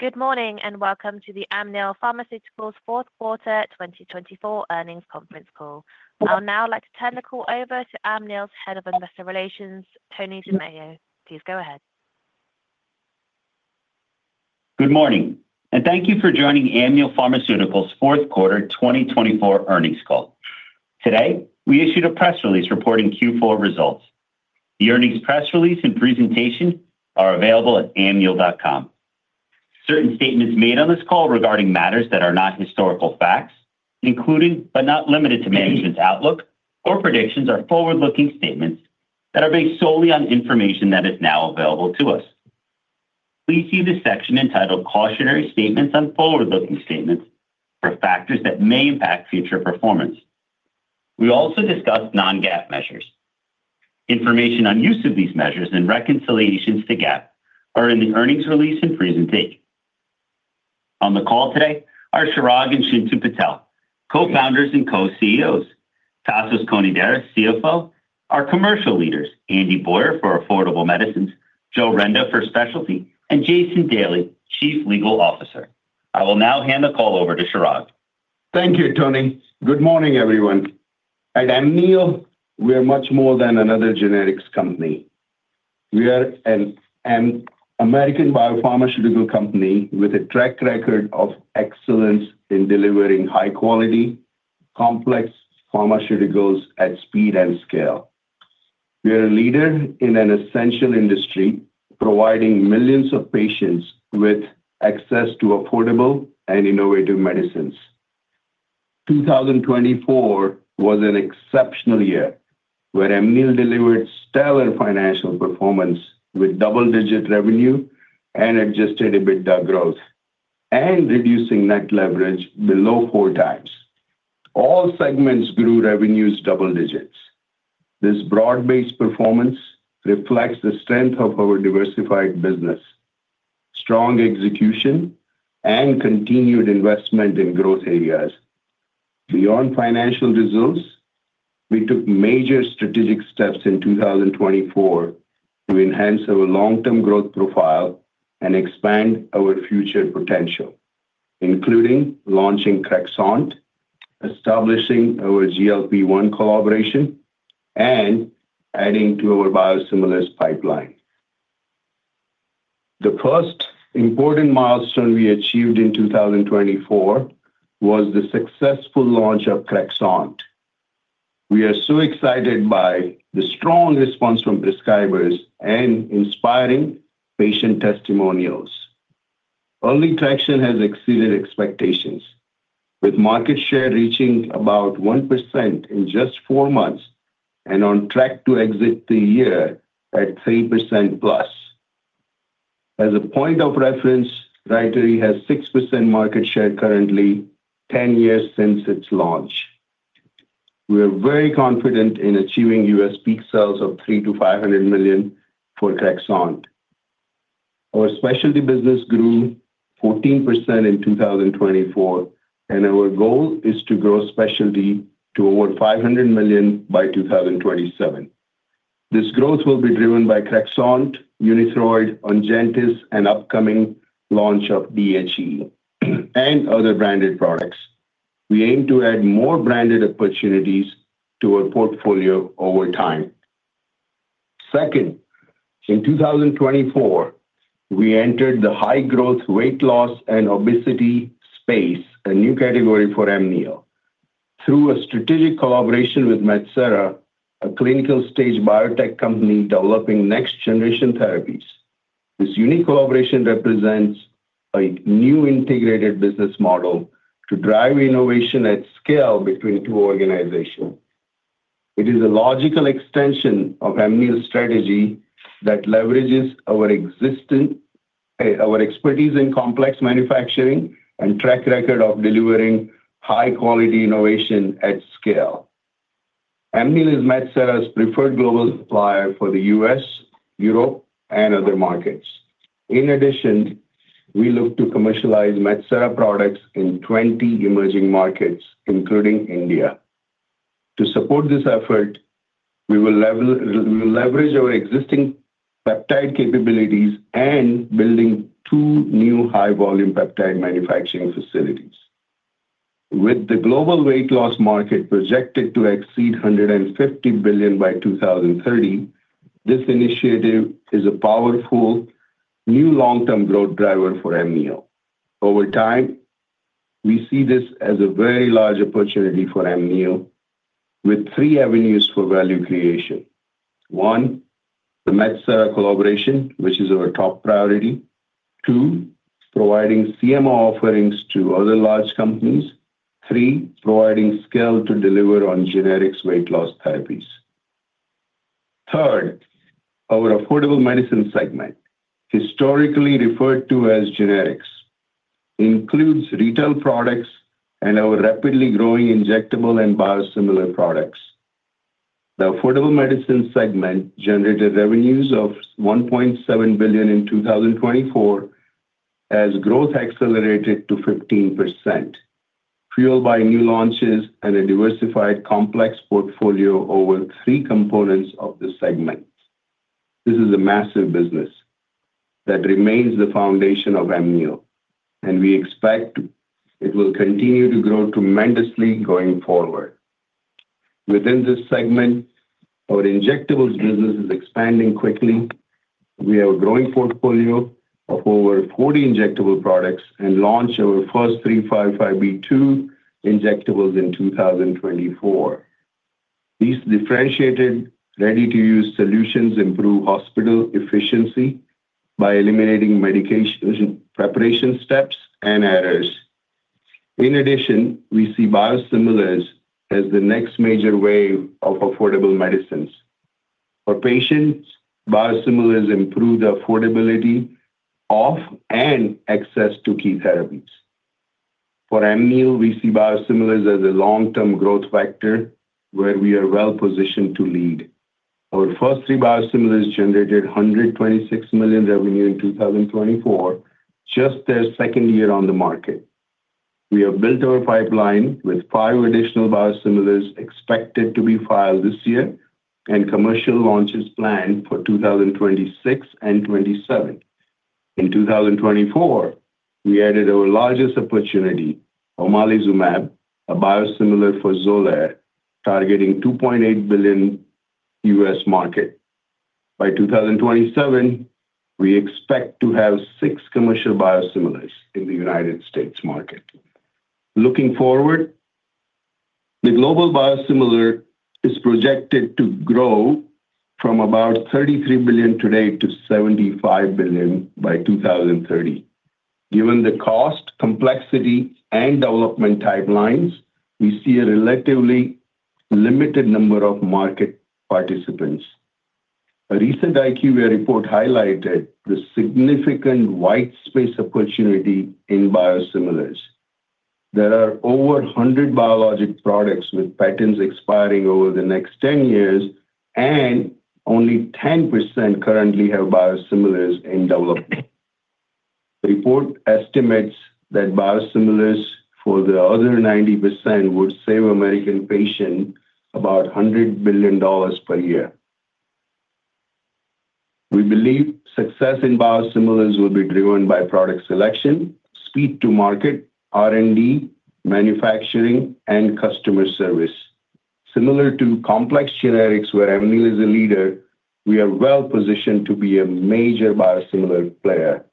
Good morning and welcome to the Amneal Pharmaceuticals Fourth Quarter 2024 Earnings Conference Call. I'll now like to turn the call over to Amneal's Head of Investor Relations, Tony DiMeo. Please go ahead. Good morning, and thank you for joining Amneal Pharmaceuticals Fourth Quarter 2024 Earnings Call. Today, we issued a press release reporting Q4 results. The earnings press release and presentation are available at amneal.com. Certain statements made on this call regarding matters that are not historical facts, including but not limited to management's outlook or predictions, are forward-looking statements that are based solely on information that is now available to us. Please see this section entitled "Cautionary Statements" on forward-looking statements for factors that may impact future performance. We also discussed non-GAAP measures. Information on use of these measures and reconciliations to GAAP are in the earnings release and presentation. On the call today are Chirag and Chintu Patel, co-founders and co-CEOs; Tasos Konidaris, CFO; our commercial leaders, Andy Boyer for Affordable Medicines, Joe Renda for Specialty, and Jason Daly, Chief Legal Officer. I will now hand the call over to Chirag. Thank you, Tony. Good morning, everyone. At Amneal, we are much more than another generics company. We are an American biopharmaceutical company with a track record of excellence in delivering high-quality, complex pharmaceuticals at speed and scale. We are a leader in an essential industry, providing millions of patients with access to affordable and innovative medicines. 2024 was an exceptional year where Amneal delivered stellar financial performance with double-digit revenue and adjusted EBITDA growth, and reducing net leverage below four times. All segments grew revenues double digits. This broad-based performance reflects the strength of our diversified business, strong execution, and continued investment in growth areas. Beyond financial results, we took major strategic steps in 2024 to enhance our long-term growth profile and expand our future potential, including launching Crexont, establishing our GLP-1 collaboration, and adding to our biosimilars pipeline. The first important milestone we achieved in 2024 was the successful launch of Crexont. We are so excited by the strong response from prescribers and inspiring patient testimonials. Early traction has exceeded expectations, with market share reaching about 1% in just four months and on track to exit the year at 3% plus. As a point of reference, Rytary has 6% market share currently, 10 years since its launch. We are very confident in achieving U.S. peak sales of $300 million-$500 million for Crexont. Our specialty business grew 14% in 2024, and our goal is to grow specialty to over $500 million by 2027. This growth will be driven by Crexont, Unithroid, Ongentys, and upcoming launch of DHE and other branded products. We aim to add more branded opportunities to our portfolio over time. Second, in 2024, we entered the high-growth weight loss and obesity space, a new category for Amneal, through a strategic collaboration with Metsera, a clinical-stage biotech company developing next-generation therapies. This unique collaboration represents a new integrated business model to drive innovation at scale between two organizations. It is a logical extension of Amneal's strategy that leverages our expertise in complex manufacturing and track record of delivering high-quality innovation at scale. Amneal is Metsera's preferred global supplier for the U.S., Europe, and other markets. In addition, we look to commercialize Metsera products in 20 emerging markets, including India. To support this effort, we will leverage our existing peptide capabilities and build two new high-volume peptide manufacturing facilities. With the global weight loss market projected to exceed 150 billion by 2030, this initiative is a powerful new long-term growth driver for Amneal. Over time, we see this as a very large opportunity for Amneal, with three avenues for value creation: one, the Metsera collaboration, which is our top priority. Two, providing CMO offerings to other large companies. Three, providing scale to deliver on generics weight loss therapies. Third, our affordable medicine segment, historically referred to as generics, includes retail products and our rapidly growing injectable and biosimilar products. The affordable medicine segment generated revenues of $1.7 billion in 2024 as growth accelerated to 15%, fueled by new launches and a diversified complex portfolio over three components of the segment. This is a massive business that remains the foundation of Amneal, and we expect it will continue to grow tremendously going forward. Within this segment, our injectables business is expanding quickly. We have a growing portfolio of over 40 injectable products and launched our first 505(b)(2) injectables in 2024. These differentiated ready-to-use solutions improve hospital efficiency by eliminating medication preparation steps and errors. In addition, we see biosimilars as the next major wave of affordable medicines. For patients, biosimilars improve the affordability of and access to key therapies. For Amneal, we see biosimilars as a long-term growth factor where we are well-positioned to lead. Our first three biosimilars generated $126 million revenue in 2024, just their second year on the market. We have built our pipeline with five additional biosimilars expected to be filed this year and commercial launches planned for 2026 and 2027. In 2024, we added our largest opportunity, omalizumab, a biosimilar for Xolair, targeting $2.8 billion U.S. market. By 2027, we expect to have six commercial biosimilars in the United States market. Looking forward, the global biosimilars market is projected to grow from about $33 billion today to $75 billion by 2030. Given the cost, complexity, and development pipelines, we see a relatively limited number of market participants. A recent IQVIA report highlighted the significant white space opportunity in biosimilars. There are over 100 biologic products with patents expiring over the next 10 years, and only 10% currently have biosimilars in development. The report estimates that biosimilars for the other 90% would save American patients about $100 billion per year. We believe success in biosimilars will be driven by product selection, speed to market, R&D, manufacturing, and customer service. Similar to complex generics where Amneal is a leader, we are well-positioned to be a major biosimilar player.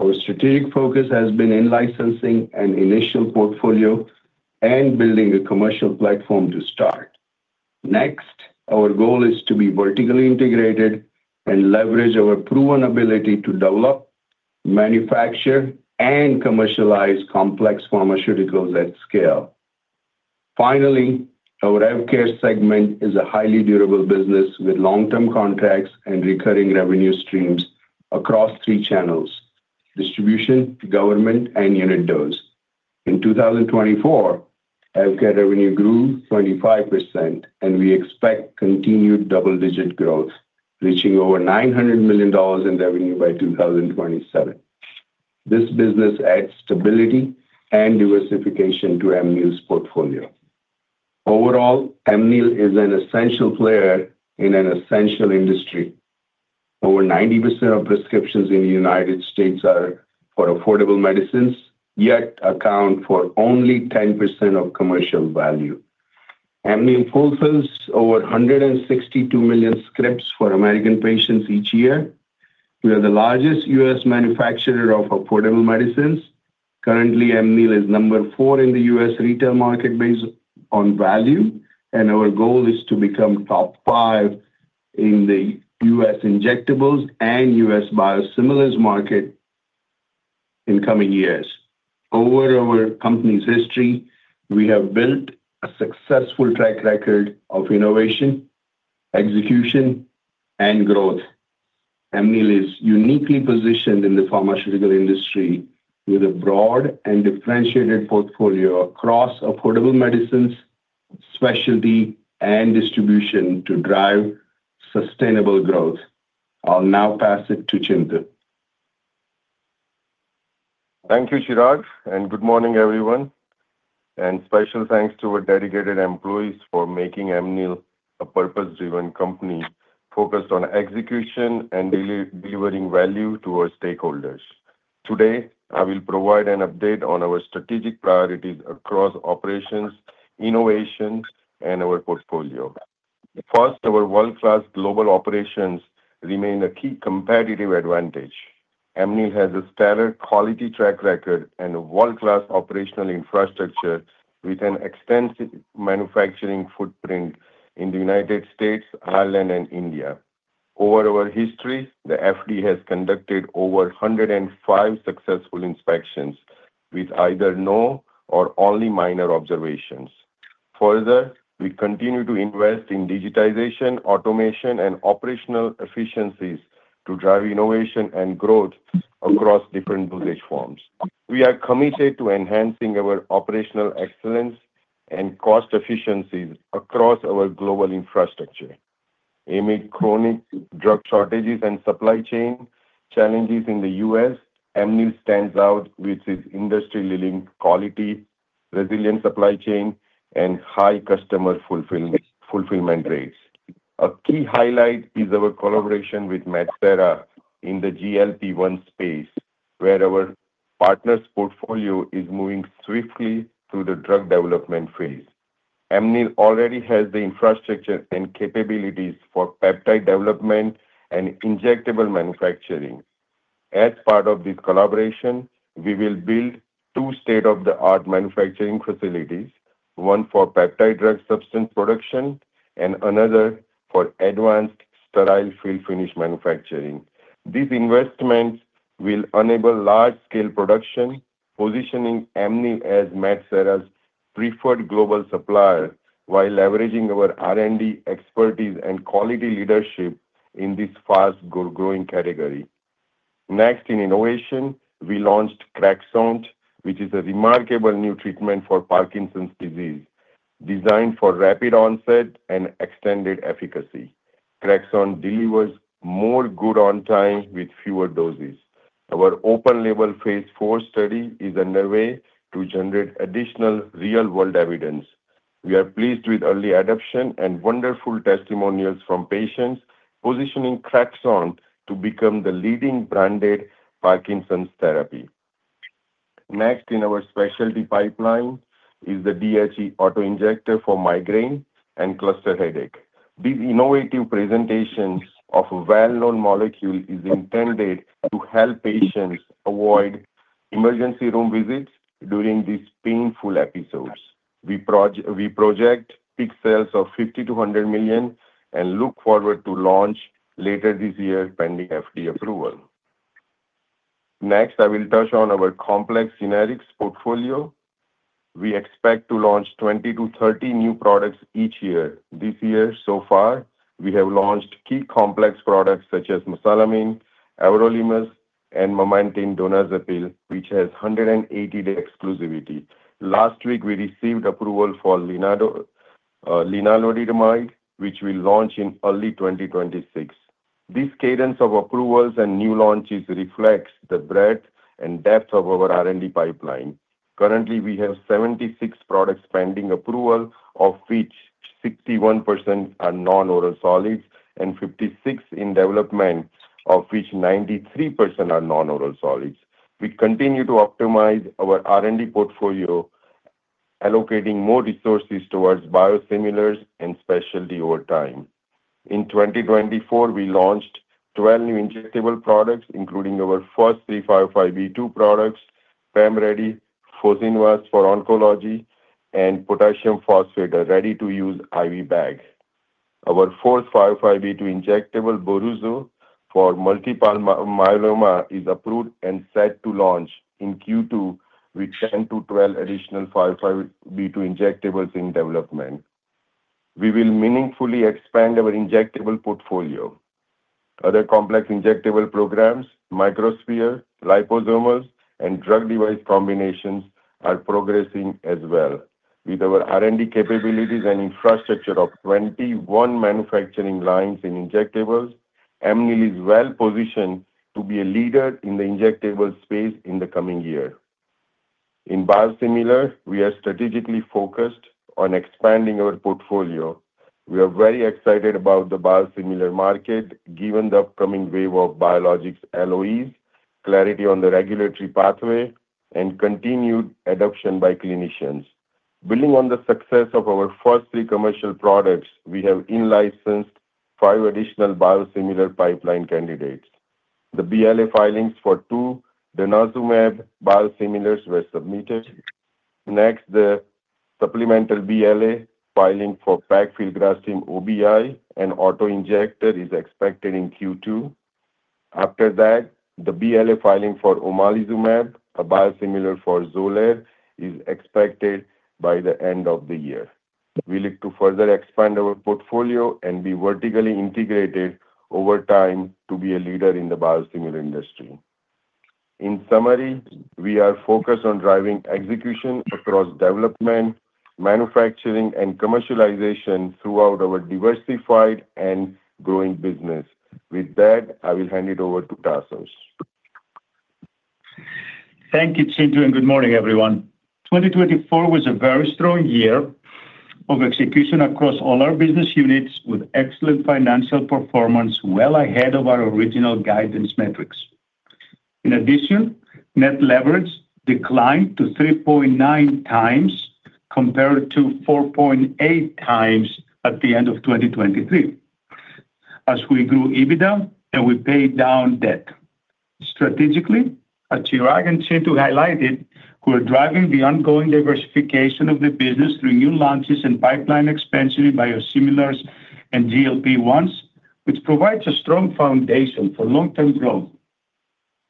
Our strategic focus has been in licensing an initial portfolio and building a commercial platform to start. Next, our goal is to be vertically integrated and leverage our proven ability to develop, manufacture, and commercialize complex pharmaceuticals at scale. Finally, our healthcare segment is a highly durable business with long-term contracts and recurring revenue streams across three channels: distribution, government, and unit dose. In 2024, healthcare revenue grew 25%, and we expect continued double-digit growth, reaching over $900 million in revenue by 2027. This business adds stability and diversification to Amneal's portfolio. Overall, Amneal is an essential player in an essential industry. Over 90% of prescriptions in the United States are for affordable medicines, yet account for only 10% of commercial value. Amneal fulfills over 162 million scripts for American patients each year. We are the largest U.S. manufacturer of affordable medicines. Currently, Amneal is number four in the U.S. retail market based on value, and our goal is to become top five in the U.S. injectables and U.S. biosimilars market in coming years. Over our company's history, we have built a successful track record of innovation, execution, and growth. Amneal is uniquely positioned in the pharmaceutical industry with a broad and differentiated portfolio across affordable medicines, specialty, and distribution to drive sustainable growth. I'll now pass it to Chintu. Thank you, Chirag, and good morning, everyone, and special thanks to our dedicated employees for making Amneal a purpose-driven company focused on execution and delivering value to our stakeholders. Today, I will provide an update on our strategic priorities across operations, innovation, and our portfolio. First, our world-class global operations remain a key competitive advantage. Amneal has a stellar quality track record and a world-class operational infrastructure with an extensive manufacturing footprint in the United States, Ireland, and India. Over our history, the FDA has conducted over 105 successful inspections with either no or only minor observations. Further, we continue to invest in digitization, automation, and operational efficiencies to drive innovation and growth across different dosage forms. We are committed to enhancing our operational excellence and cost efficiencies across our global infrastructure. Amid chronic drug shortages and supply chain challenges in the U.S., Amneal stands out with its industry-leading quality, resilient supply chain, and high customer fulfillment rates. A key highlight is our collaboration with Metsera in the GLP-1 space, where our partner's portfolio is moving swiftly through the drug development phase. Amneal already has the infrastructure and capabilities for peptide development and injectable manufacturing. As part of this collaboration, we will build two state-of-the-art manufacturing facilities, one for peptide drug substance production and another for advanced sterile field finish manufacturing. These investments will enable large-scale production, positioning Amneal as Metsera's preferred global supplier while leveraging our R&D expertise and quality leadership in this fast-growing category. Next, in innovation, we launched Crexont, which is a remarkable new treatment for Parkinson's disease, designed for rapid onset and extended efficacy. Crexont delivers more good on time with fewer doses. Our open-label phase four study is underway to generate additional real-world evidence. We are pleased with early adoption and wonderful testimonials from patients, positioning Crexont to become the leading branded Parkinson's therapy. Next, in our specialty pipeline is the DHE autoinjector for migraine and cluster headache. This innovative presentation of a well-known molecule is intended to help patients avoid emergency room visits during these painful episodes. We project peak sales of $50-$100 million and look forward to launch later this year pending FDA approval. Next, I will touch on our complex generics portfolio. We expect to launch 20 to 30 new products each year. This year, so far, we have launched key complex products such as mesalamine, everolimus, and memantine/donepezil, which has 180-day exclusivity. Last week, we received approval for lenalidomide, which we launch in early 2026. This cadence of approvals and new launches reflects the breadth and depth of our R&D pipeline. Currently, we have 76 products pending approval, of which 61% are non-oral solids and 56% in development, of which 93% are non-oral solids. We continue to optimize our R&D portfolio, allocating more resources towards biosimilars and specialty over time. In 2024, we launched 12 new injectable products, including our first three 505(b)(2) products, Pemrydi, Focinvez for oncology, and potassium phosphate ready-to-use IV bag. Our fourth 505(b)(2) injectable, Boruzu, for multiple myeloma, is approved and set to launch in Q2 with 10-12 additional 505(b)(2) injectables in development. We will meaningfully expand our injectable portfolio. Other complex injectable programs, microsphere, liposomals, and drug device combinations are progressing as well. With our R&D capabilities and infrastructure of 21 manufacturing lines in injectables, Amneal is well-positioned to be a leader in the injectable space in the coming year. In biosimilar, we are strategically focused on expanding our portfolio. We are very excited about the biosimilar market, given the upcoming wave of biologics LOEs, clarity on the regulatory pathway, and continued adoption by clinicians. Building on the success of our first three commercial products, we have in-licensed five additional biosimilar pipeline candidates. The BLA filings for two denosumab biosimilars were submitted. Next, the supplemental BLA filing for pegfilgrastim OBI and autoinjector is expected in Q2. After that, the BLA filing for omalizumab, a biosimilar for Xolair, is expected by the end of the year. We look to further expand our portfolio and be vertically integrated over time to be a leader in the biosimilar industry. In summary, we are focused on driving execution across development, manufacturing, and commercialization throughout our diversified and growing business. With that, I will hand it over to Tasos. Thank you, Chintu, and good morning, everyone. 2024 was a very strong year of execution across all our business units, with excellent financial performance well ahead of our original guidance metrics. In addition, net leverage declined to 3.9 times compared to 4.8 times at the end of 2023 as we grew EBITDA and we paid down debt. Strategically, as Chirag and Chintu highlighted, we're driving the ongoing diversification of the business through new launches and pipeline expansion in biosimilars and GLP-1s, which provides a strong foundation for long-term growth.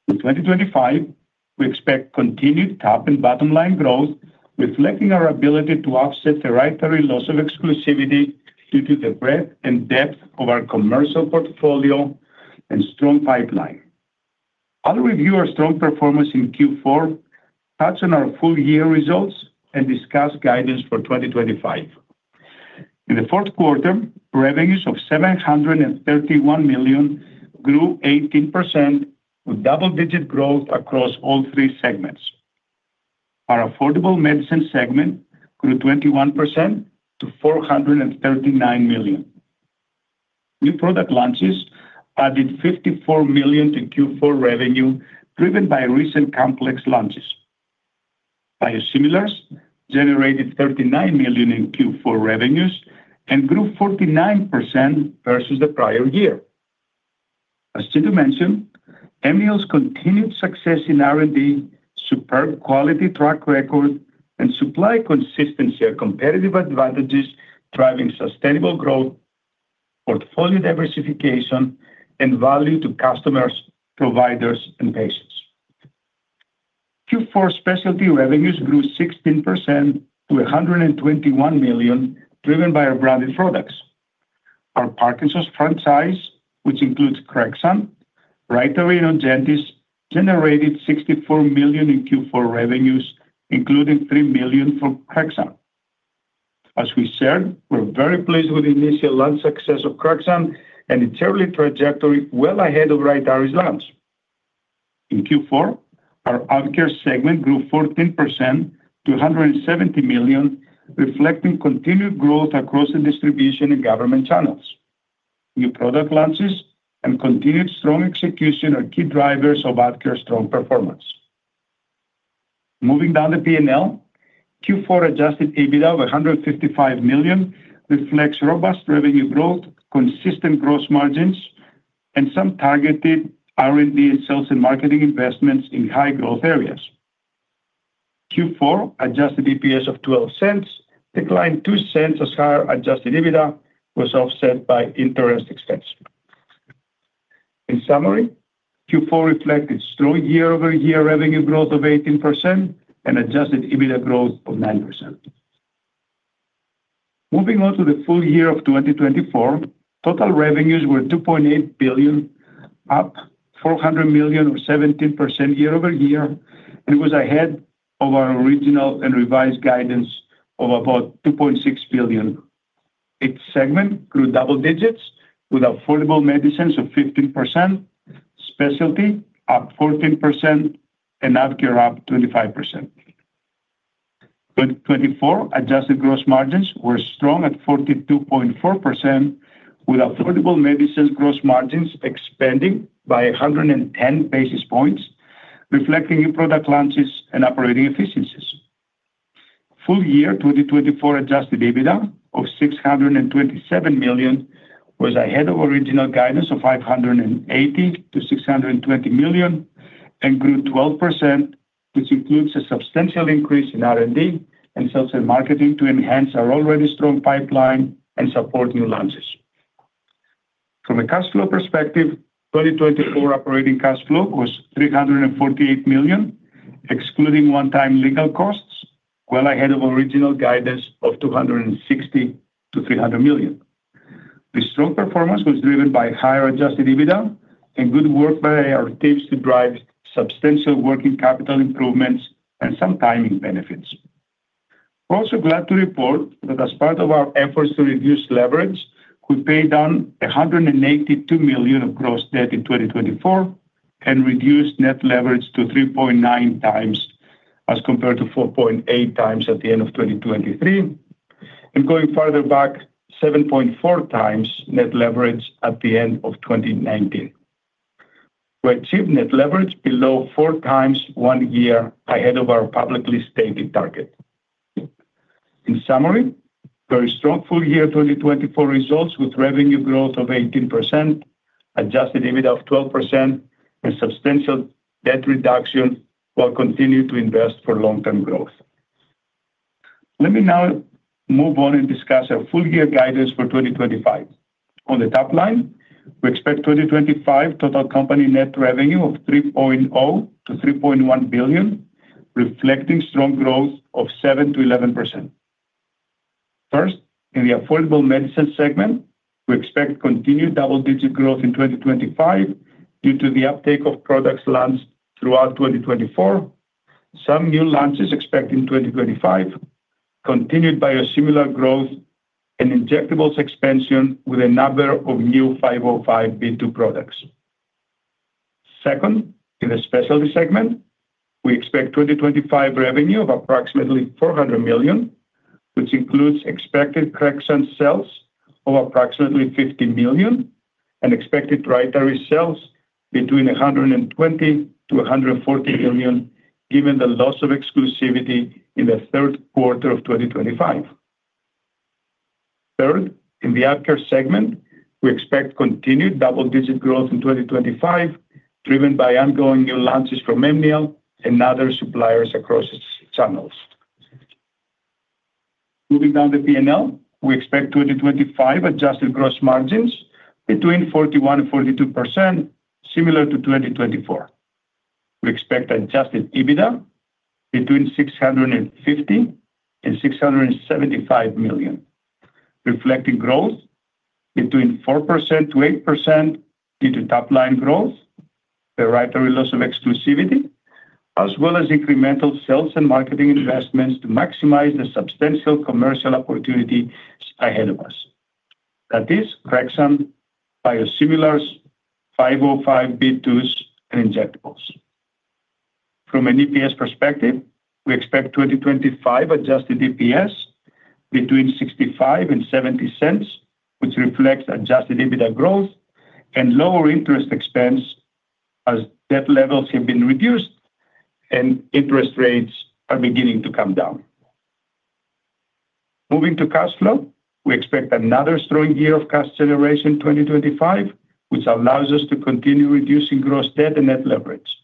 In 2025, we expect continued top and bottom line growth, reflecting our ability to offset the Rytary loss of exclusivity due to the breadth and depth of our commercial portfolio and strong pipeline. I'll review our strong performance in Q4, touch on our full-year results, and discuss guidance for 2025. In the fourth quarter, revenues of $731 million grew 18%, with double-digit growth across all three segments. Our affordable medicine segment grew 21% to $439 million. New product launches added $54 million to Q4 revenue, driven by recent complex launches. Biosimilars generated $39 million in Q4 revenues and grew 49% versus the prior year. As Chintu mentioned, Amneal's continued success in R&D, superb quality track record, and supply consistency are competitive advantages driving sustainable growth, portfolio diversification, and value to customers, providers, and patients. Q4 specialty revenues grew 16% to $121 million, driven by our branded products. Our Parkinson's franchise, which includes Crexont, Rytary and Ongentys, generated $64 million in Q4 revenues, including $3 million from Crexont. As we said, we're very pleased with the initial launch success of Crexont and its early trajectory, well ahead of Rytary's launch. In Q4, our healthcare segment grew 14% to $170 million, reflecting continued growth across the distribution and government channels. New product launches and continued strong execution are key drivers of healthcare's strong performance. Moving down the P&L, Q4 adjusted EBITDA of $155 million reflects robust revenue growth, consistent gross margins, and some targeted R&D and sales and marketing investments in high-growth areas. Q4 adjusted EPS of $0.12 declined $0.02 as higher adjusted EBITDA was offset by interest expense. In summary, Q4 reflected strong year-over-year revenue growth of 18% and adjusted EBITDA growth of 9%. Moving on to the full year of 2024, total revenues were $2.8 billion, up $400 million or 17% year-over-year, and it was ahead of our original and revised guidance of about $2.6 billion. Its segment grew double digits with affordable medicines of 15%, specialty up 14%, and healthcare up 25%. In 2024, adjusted gross margins were strong at 42.4%, with affordable medicines gross margins expanding by 110 basis points, reflecting new product launches and operating efficiencies. Full year 2024 adjusted EBITDA of $627 million was ahead of original guidance of $580-$620 million and grew 12%, which includes a substantial increase in R&D and sales and marketing to enhance our already strong pipeline and support new launches. From a cash flow perspective, 2024 operating cash flow was $348 million, excluding one-time legal costs, well ahead of original guidance of $260-$300 million. The strong performance was driven by higher adjusted EBITDA and good work by our teams to drive substantial working capital improvements and some timing benefits. We're also glad to report that as part of our efforts to reduce leverage, we paid down $182 million of gross debt in 2024 and reduced net leverage to 3.9 times as compared to 4.8 times at the end of 2023, and going further back, 7.4 times net leverage at the end of 2019. We achieved net leverage below four times one year ahead of our publicly stated target. In summary, very strong full year 2024 results with revenue growth of 18%, adjusted EBITDA of 12%, and substantial debt reduction while continuing to invest for long-term growth. Let me now move on and discuss our full-year guidance for 2025. On the top line, we expect 2025 total company net revenue of $3.0 billion-$3.1 billion, reflecting strong growth of 7%-11%. First, in the affordable medicine segment, we expect continued double-digit growth in 2025 due to the uptake of products launched throughout 2024, some new launches expected in 2025, continued biosimilar growth, and injectables expansion with a number of new 505(b)(2) products. Second, in the specialty segment, we expect 2025 revenue of approximately $400 million, which includes expected Crexont sales of approximately $50 million and expected Rytary sales between $120 million to $140 million, given the loss of exclusivity in the third quarter of 2025. Third, in the healthcare segment, we expect continued double-digit growth in 2025, driven by ongoing new launches from Amneal and other suppliers across channels. Moving down the P&L, we expect 2025 adjusted gross margins between 41%-42%, similar to 2024. We expect adjusted EBITDA between $650 million and $675 million, reflecting growth between 4%-8% due to top-line growth, the Rytary loss of exclusivity, as well as incremental sales and marketing investments to maximize the substantial commercial opportunity ahead of us. That is Crexont, biosimilars, 505(b)(2)s, and injectables. From an EPS perspective, we expect 2025 adjusted EPS between $0.65 and $0.70, which reflects adjusted EBITDA growth and lower interest expense as debt levels have been reduced and interest rates are beginning to come down. Moving to cash flow, we expect another strong year of cash generation in 2025, which allows us to continue reducing gross debt and net leverage.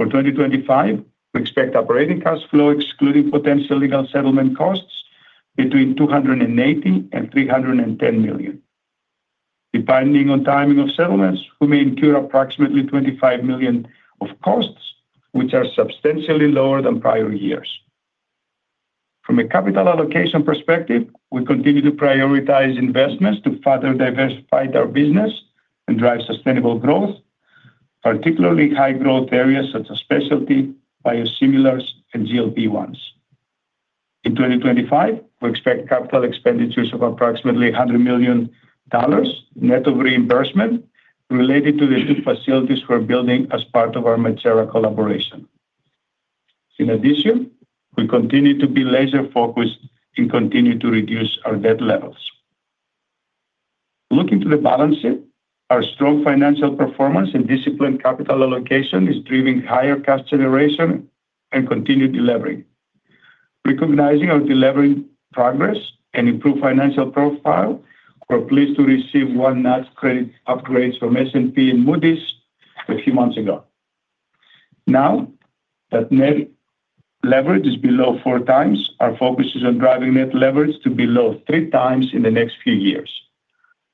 For 2025, we expect operating cash flow, excluding potential legal settlement costs, between $280 million and $310 million. Depending on timing of settlements, we may incur approximately $25 million of costs, which are substantially lower than prior years. From a capital allocation perspective, we continue to prioritize investments to further diversify our business and drive sustainable growth, particularly high-growth areas such as specialty, biosimilars, and GLP-1s. In 2025, we expect capital expenditures of approximately $100 million net of reimbursement related to the new facilities we're building as part of our Metsera collaboration. In addition, we continue to be laser-focused and continue to reduce our debt levels. Looking to the balance sheet, our strong financial performance and disciplined capital allocation is driving higher cash generation and continued delivery. Recognizing our delivery progress and improved financial profile, we're pleased to receive one-notch credit upgrades from S&P and Moody's a few months ago. Now that net leverage is below four times, our focus is on driving net leverage to below three times in the next few years.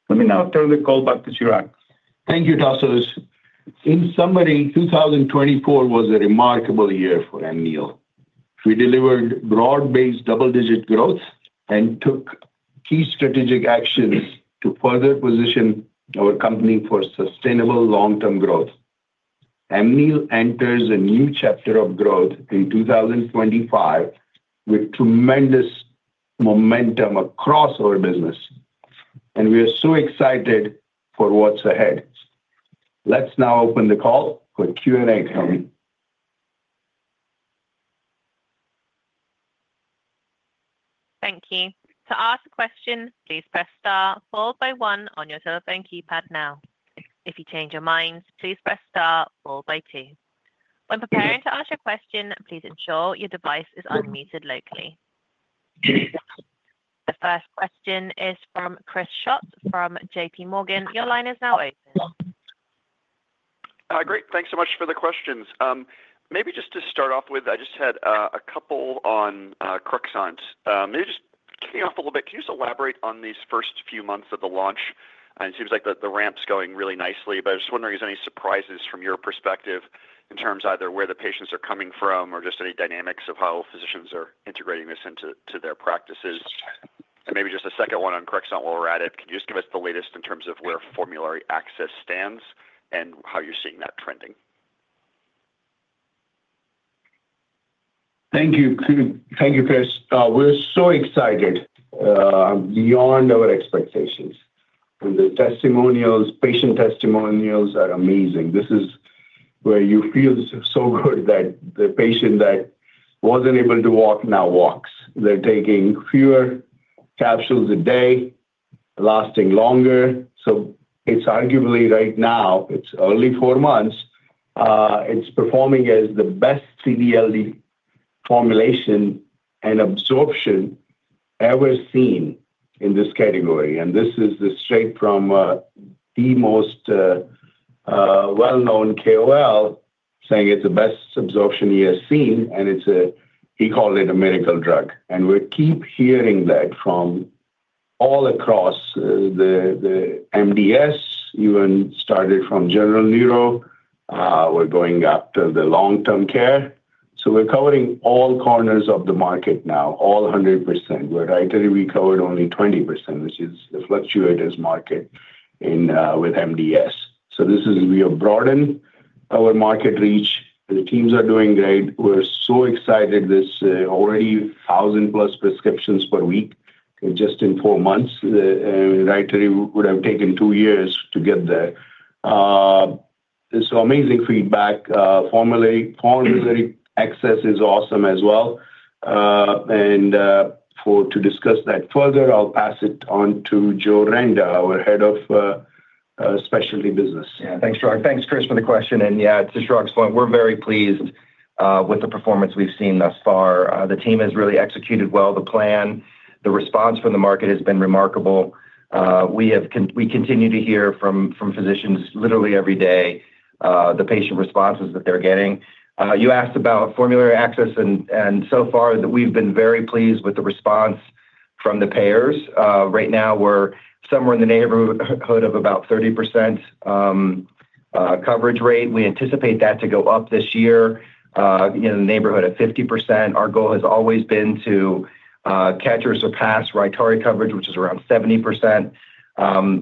Let me now turn the call back to Chirag. Thank you, Tasos. In summary, 2024 was a remarkable year for Amneal. We delivered broad-based double-digit growth and took key strategic actions to further position our company for sustainable long-term growth. Amneal enters a new chapter of growth in 2025 with tremendous momentum across our business, and we are so excited for what's ahead. Let's now open the call for Q&A from. Thank you. To ask a question, please press Star followed by 1 on your telephone keypad now. If you change your mind, please press Star followed by 2. When preparing to ask your question, please ensure your device is unmuted locally. The first question is from Chris Schott from J.P. Morgan. Your line is now open. Hi, great. Thanks so much for the questions. Maybe just to start off with, I just had a couple on Crexont. Maybe just kicking off a little bit, can you just elaborate on these first few months of the launch? It seems like the ramp's going really nicely, but I was just wondering, is there any surprises from your perspective in terms of either where the patients are coming from or just any dynamics of how physicians are integrating this into their practices? And maybe just a second one on Crexont while we're at it. Can you just give us the latest in terms of where formulary access stands and how you're seeing that trending? Thank you, Chris. We're so excited beyond our expectations, and the testimonials, patient testimonials are amazing. This is where you feel so good that the patient that wasn't able to walk now walks. They're taking fewer capsules a day, lasting longer. It's arguably right now, it's only four months, it's performing as the best CD/LD formulation and absorption ever seen in this category. This is straight from the most well-known KOL saying it's the best absorption he has seen, and he called it a medical drug. We keep hearing that from all across the MDS, even started from general neuro. We're going up to the long-term care. We're covering all corners of the market now, all 100%. With Rytary, we covered only 20%, which is a fluctuating market with MDS. This is, we have broadened our market reach. The teams are doing great. We're so excited. There's already 1,000-plus prescriptions per week just in four months. Rytary would have taken two years to get there. It's amazing feedback. Formulary access is awesome as well. And to discuss that further, I'll pass it on to Joe Renda, our head of specialty business. Yeah, thanks, Chirag. Thanks, Chris, for the question. And yeah, to Chirag's point, we're very pleased with the performance we've seen thus far. The team has really executed well the plan. The response from the market has been remarkable. We continue to hear from physicians literally every day the patient responses that they're getting. You asked about formulary access, and so far, we've been very pleased with the response from the payers. Right now, we're somewhere in the neighborhood of about 30% coverage rate. We anticipate that to go up this year in the neighborhood of 50%. Our goal has always been to catch or surpass Rytary coverage, which is around 70%.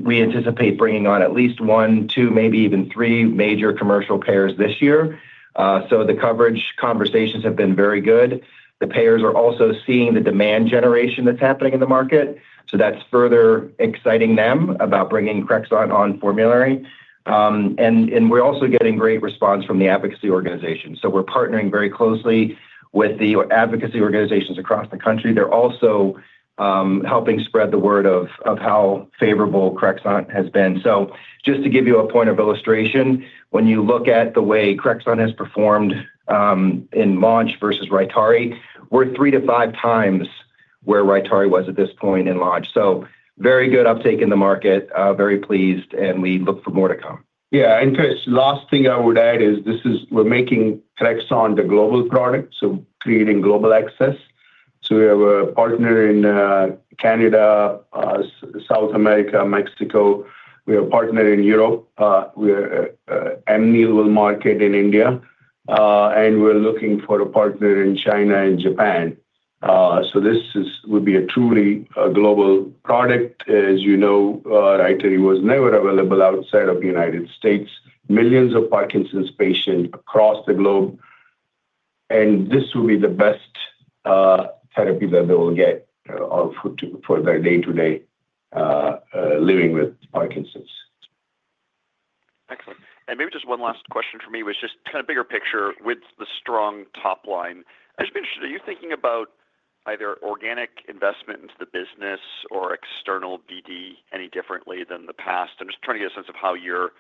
We anticipate bringing on at least one, two, maybe even three major commercial payers this year. So the coverage conversations have been very good. The payers are also seeing the demand generation that's happening in the market. That's further exciting them about bringing Crexont on formulary. And we're also getting great response from the advocacy organizations. We're partnering very closely with the advocacy organizations across the country. They're also helping spread the word of how favorable Crexont has been. Just to give you a point of illustration, when you look at the way Crexont has performed in launch versus Rytary, we're three to five times where Rytary was at this point in launch. Very good uptake in the market, very pleased, and we look for more to come. Yeah. And, Chris, last thing I would add is this is we're making Crexont the global product, so creating global access, so we have a partner in Canada, South America, Mexico. We have a partner in Europe. Amneal will market in India. And we're looking for a partner in China and Japan, so this would be a truly global product. As you know, Rytary was never available outside of the United States. Millions of Parkinson's patients across the globe, and this will be the best therapy that they will get for their day-to-day living with Parkinson's. Excellent. And maybe just one last question for me was just kind of bigger picture with the strong top line. I'm just interested, are you thinking about either organic investment into the business or external BD any differently than the past? I'm just trying to get a sense of how you're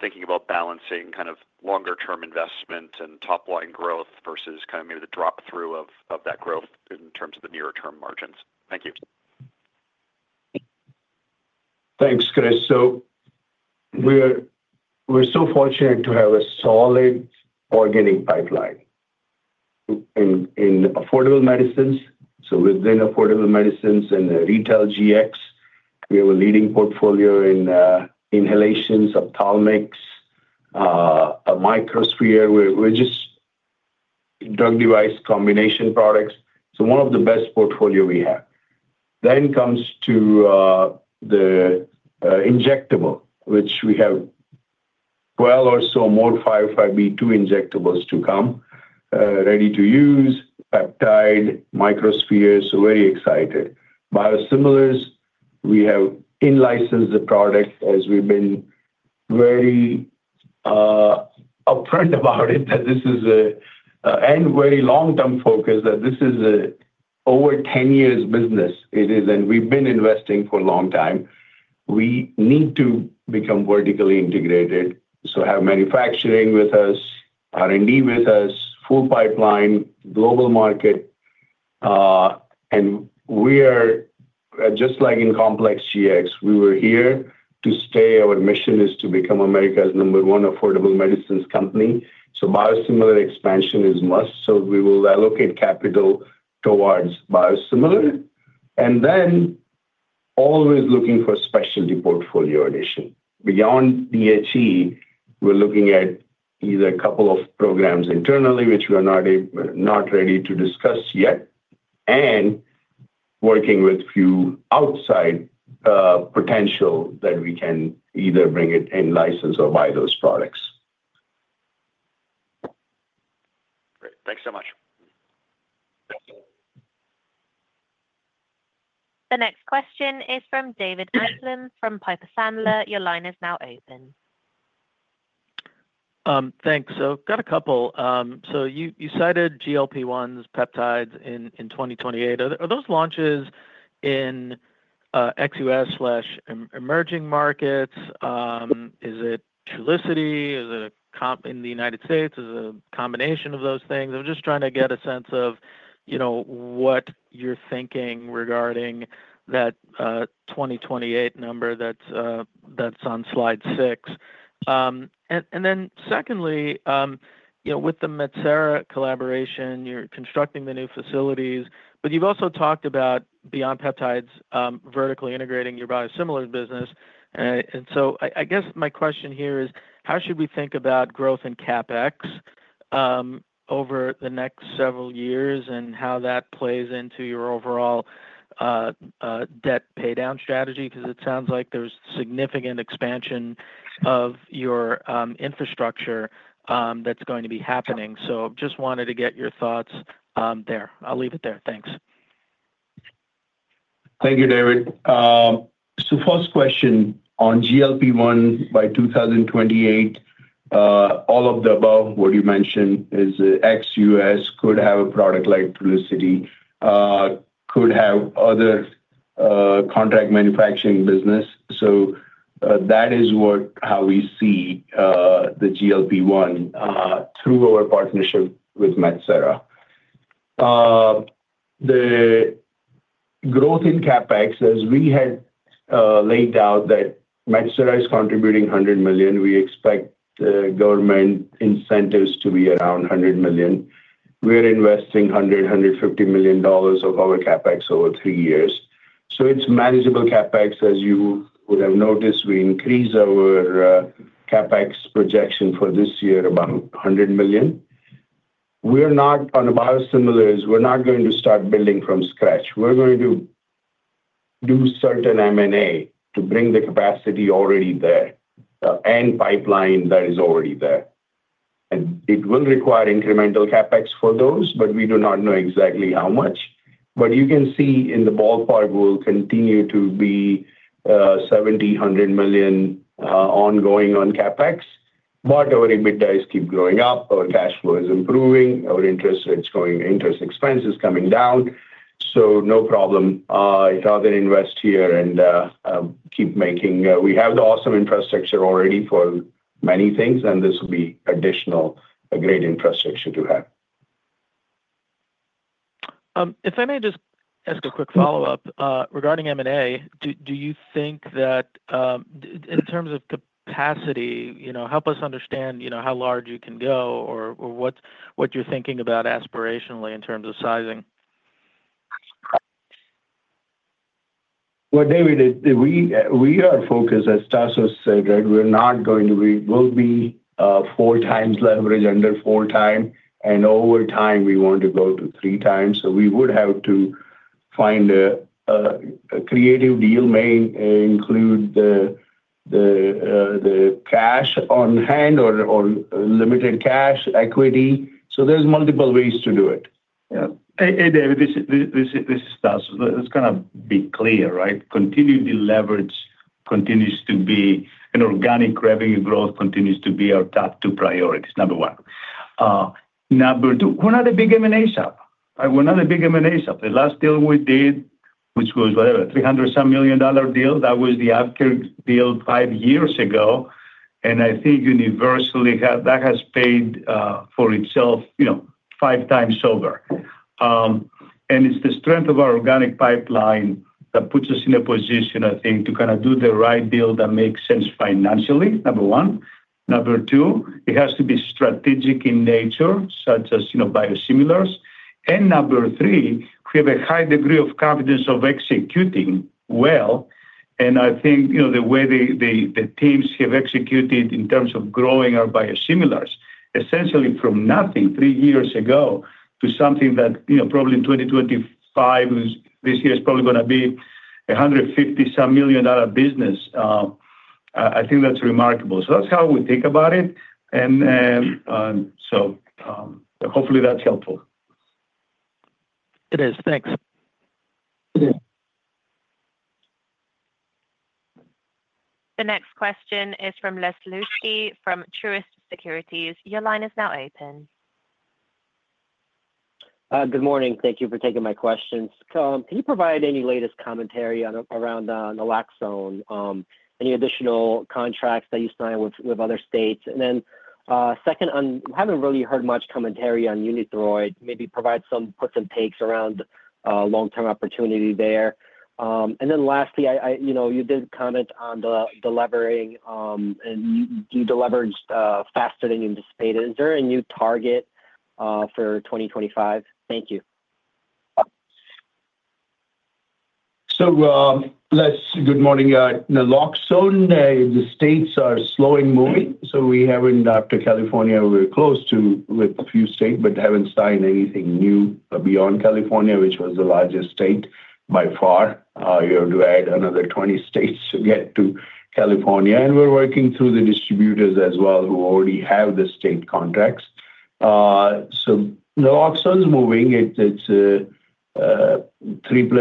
thinking about balancing kind of longer-term investment and top-line growth versus kind of maybe the drop-through of that growth in terms of the near-term margins. Thank you. Thanks, Chris. So we're so fortunate to have a solid organic pipeline in affordable medicines. So within affordable medicines and the retail GX, we have a leading portfolio in inhalations, ophthalmics, a microsphere, which is drug-device combination products. So one of the best portfolios we have. Then comes to the injectable, which we have 12 or so more 505(b)(2) injectables to come, ready-to-use, peptide, microsphere, so very excited. Biosimilars, we have in-licensed the product as we've been very upfront about it that this is a very long-term focus, that this is an over 10-year business. It is, and we've been investing for a long time. We need to become vertically integrated, so have manufacturing with us, R&D with us, full pipeline, global market. And we are just like in complex GX. We were here to stay. Our mission is to become America's number one affordable medicines company. So biosimilar expansion is a must. So we will allocate capital towards biosimilar. And then always looking for specialty portfolio addition. Beyond DHE, we're looking at either a couple of programs internally, which we are not ready to discuss yet, and working with a few outside potential that we can either bring it in license or buy those products. Great. Thanks so much. The next question is from David Amsellem from Piper Sandler. Your line is now open. Thanks. So got a couple. So you cited GLP-1s peptides in 2028. Are those launches in XUS/emerging markets? Is it Trulicity? Is it in the United States? Is it a combination of those things? I'm just trying to get a sense of what you're thinking regarding that 2028 number that's on slide six. And then secondly, with the Metsera collaboration, you're constructing the new facilities, but you've also talked about beyond peptides vertically integrating your biosimilars business. And so I guess my question here is, how should we think about growth in CapEx over the next several years and how that plays into your overall debt paydown strategy? Because it sounds like there's significant expansion of your infrastructure that's going to be happening. So just wanted to get your thoughts there. I'll leave it there. Thanks. Thank you, David. First question on GLP-1: by 2028, all of the above what you mentioned in the U.S. could have a product like Trulicity, could have other contract manufacturing business. That is how we see the GLP-1 through our partnership with Metsera. The growth in CapEx, as we had laid out, Metsera is contributing $100 million. We expect government incentives to be around $100 million. We are investing $100 million-$150 million of our CapEx over three years. It's manageable CapEx. As you would have noticed, we increased our CapEx projection for this year about $100 million. We're not on the biosimilars. We're not going to start building from scratch. We're going to do certain M&A to bring the capacity already there and pipeline that is already there. It will require incremental CapEx for those, but we do not know exactly how much. But you can see in the ballpark, we'll continue to be $70 million-$100 million ongoing on CapEx. But our EBITDA is keep growing up. Our cash flow is improving. Our interest expense is coming down. So no problem. It's rather invest here and keep making. We have the awesome infrastructure already for many things, and this will be additional great infrastructure to have. If I may just ask a quick follow-up regarding M&A, do you think that in terms of capacity, help us understand how large you can go or what you're thinking about aspirationally in terms of sizing? Well, David, we are focused, as Tasos said, right? We're not going to be. We'll be four times leverage, under four times. And over time, we want to go to three times. So we would have to find a creative deal that may include the cash on hand or limited cash equity. So there's multiple ways to do it. Yeah. Hey, David, this is Tasos. Let's kind of be clear, right? Continued leverage continues to be an organic revenue growth continues to be our top two priorities, number one. Number two, we're not a big M&A shop. We're not a big M&A shop. The last deal we did, which was whatever, $300-some million dollar deal, that was the after-deal five years ago. And I think universally that has paid for itself five times over. It's the strength of our organic pipeline that puts us in a position, I think, to kind of do the right deal that makes sense financially, number one. Number two, it has to be strategic in nature, such as biosimilars. And number three, we have a high degree of confidence of executing well. And I think the way the teams have executed in terms of growing our biosimilars, essentially from nothing three years ago to something that probably in 2025, this year is probably going to be a $150-some million business. I think that's remarkable. So that's how we think about it. And so hopefully that's helpful. It is. Thanks. The next question is from Les Sulewski from Truist Securities. Your line is now open. Good morning. Thank you for taking my questions. Can you provide any latest commentary around naloxone? Any additional contracts that you sign with other states? And then second, I haven't really heard much commentary on Unithroid. Maybe provide some puts and takes around long-term opportunity there. And then lastly, you did comment on delivering, and you delivered faster than you anticipated. Is there a new target for 2025? Thank you. Good morning. Naloxone, the states are slowly moving. We haven't up to California. We're close to with a few states, but haven't signed anything new beyond California, which was the largest state by far. You have to add another 20 states to get to California. We're working through the distributors as well who already have the state contracts. 240652 batch Amneal Pharmaceuticals Q4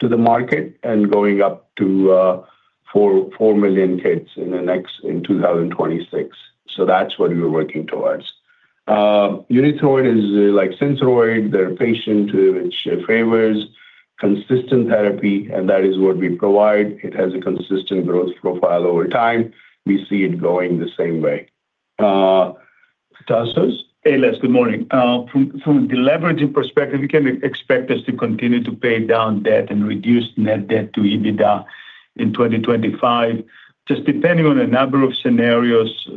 2024.mp3 So that's what we're working towards. Unithroid is like Synthroid. They're a patient which favors consistent therapy, and that is what we provide. It has a consistent growth profile over time. We see it going the same way. Tasos? Hey, Les. Good morning. From the leverage perspective, we can expect us to continue to pay down debt and reduce net debt to EBITDA in 2025, just depending on a number of scenarios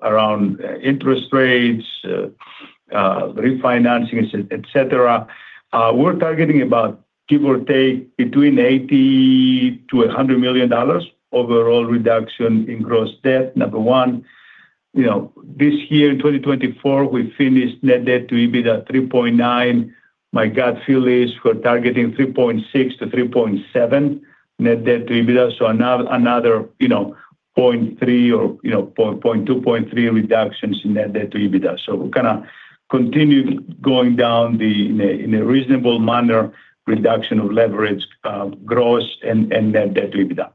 around interest rates, refinancing, etc. We're targeting about give or take between $80 million-$100 million overall reduction in gross debt, number one. This year, in 2024, we finished net debt to EBITDA 3.9. My gut feel is we're targeting 3.6-3.7 net debt to EBITDA. So another 0.3 or 0.2, 0.3 reductions in net debt to EBITDA. So we're kind of continuing going down in a reasonable manner, reduction of leverage, gross, and net debt to EBITDA.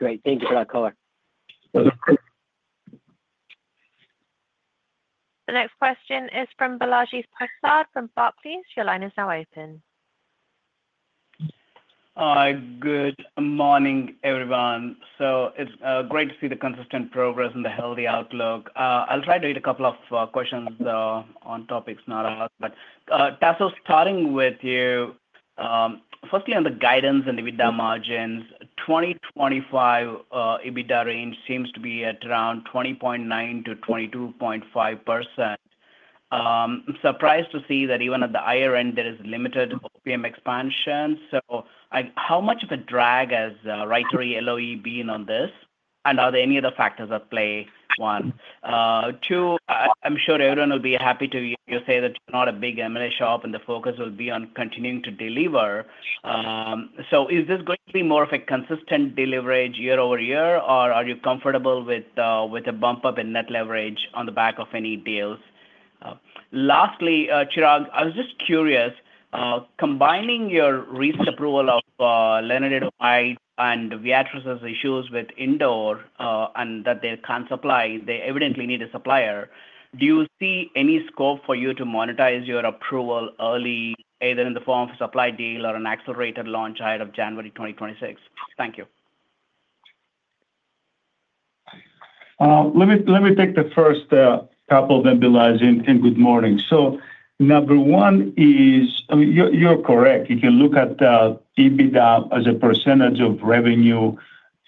Great. Thank you for that color. The next question is from Balaji Prasad from Barclays, please. Your line is now open. Good morning, everyone. So it's great to see the consistent progress and the healthy outlook. I'll try to read a couple of questions on topics not asked, but Tasos, starting with you, firstly on the guidance and EBITDA margins, 2025 EBITDA range seems to be at around 20.9%-22.5%. I'm surprised to see that even at the higher end, there is limited OPM expansion. So how much of a drag has Rytary LOE been on this? And are there any other factors at play? One. Two, I'm sure everyone will be happy to hear you say that you're not a big M&A shop and the focus will be on continuing to deliver. So is this going to be more of a consistent delivery year over year, or are you comfortable with a bump up in net leverage on the back of any deals? Lastly, Chirag, I was just curious, combining your recent approval of lenalidomide and Viatris's issues with Inderal and that they can't supply, they evidently need a supplier. Do you see any scope for you to monetize your approval early, either in the form of a supply deal or an accelerated launch ahead of January 2026? Thank you. Let me take the first couple of questions and good morning. So number one is you're correct. If you look at EBITDA as a percentage of revenue,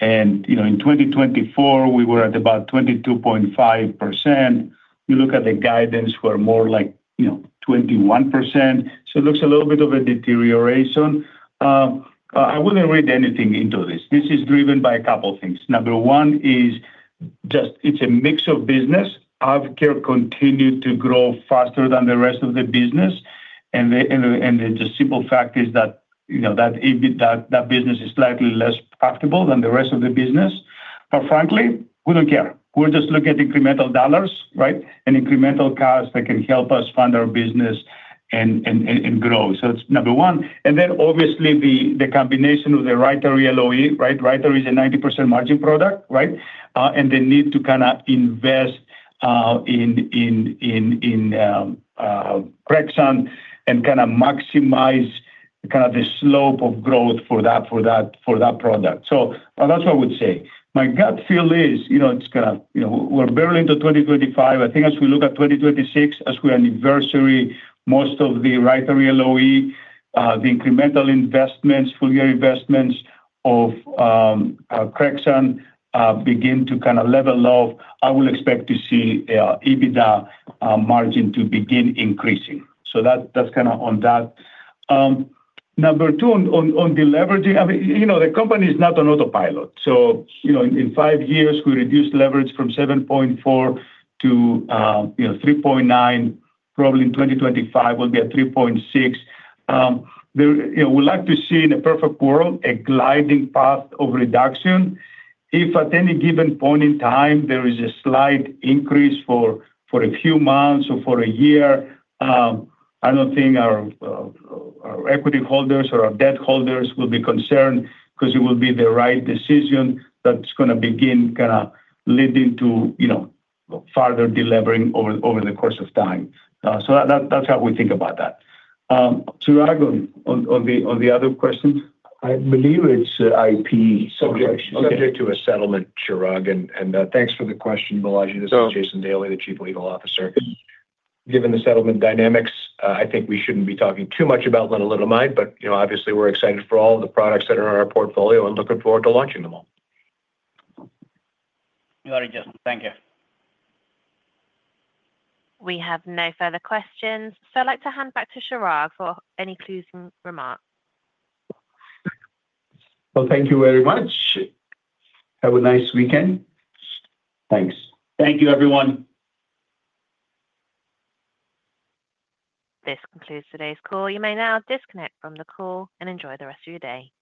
and in 2024, we were at about 22.5%. You look at the guidance, we're more like 21%. So it looks a little bit of a deterioration. I wouldn't read anything into this. This is driven by a couple of things. Number one is just it's a mix of business. Healthcare continued to grow faster than the rest of the business. And the simple fact is that that business is slightly less profitable than the rest of the business. But frankly, we don't care. We're just looking at incremental dollars, right, and incremental costs that can help us fund our business and grow. So it's number one. And then obviously, the combination of the Rytary LOE, right? Rytary is a 90% margin product, right? They need to kind of invest in Crexont and kind of maximize kind of the slope of growth for that product. That's what I would say. My gut feel is it's kind of we're barely into 2025. I think as we look at 2026, as we are anniversary, most of the Rytary LOE, the incremental investments, full year investments of Crexont begin to kind of level off. I will expect to see EBITDA margin to begin increasing. That's kind of on that. Number two, on the leverage, the company is not on autopilot. In five years, we reduced leverage from 7.4 to 3.9. Probably in 2025, we'll be at 3.6. We'd like to see in a perfect world a glide path of reduction. If at any given point in time there is a slight increase for a few months or for a year, I don't think our equity holders or our debt holders will be concerned because it will be the right decision that's going to begin kind of leading to further delivering over the course of time. So that's how we think about that. Chirag, on the other question? I believe it's IP subject. Subject to a settlement, Chirag. Thanks for the question, Balaji. This is Jason Daly, the Chief Legal Officer. Given the settlement dynamics, I think we shouldn't be talking too much about, let alone mind, but obviously, we're excited for all the products that are in our portfolio and looking forward to launching them all. You got it, Jason. Thank you. We have no further questions. So I'd like to hand back to Chirag for any closing remarks. Thank you very much. Have a nice weekend. Thanks. Thank you, everyone. This concludes today's call. You may now disconnect from the call and enjoy the rest of your day.